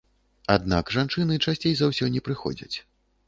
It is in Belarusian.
Аднак жанчыны часцей за ўсё не прыходзяць.